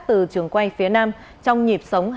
từ trường quay phía nam trong nhịp sống hai mươi bốn trên bảy